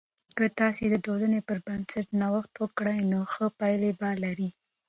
که تاسې د ټولنې پر بنسټ نوښت وکړئ، نو ښه پایلې به لرئ.